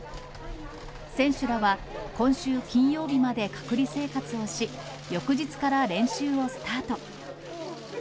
選手らは、今週金曜日まで隔離生活をし、翌日から練習をスタート。